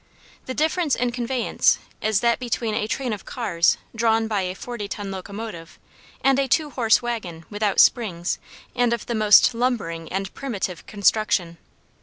The difference in conveyance is that between a train of cars drawn by a forty ton locomotive and a two horse wagon, without springs, and of the most lumbering and primitive construction.